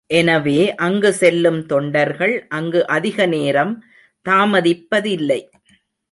எனவே அங்கு செல்லும் தொண்டர்கள் அங்கு அதிக நேரம் தாமதிப்பதில்லை.